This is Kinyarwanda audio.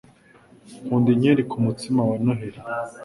Nkunda inkeri kumutsima wa Noheri.